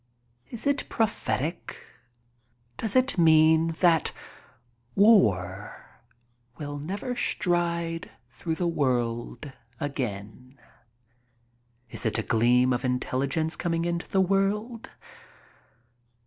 Is it prophetic? Does it mean that war will never stride through the world again? Is it a gleam of intelligence coming into the world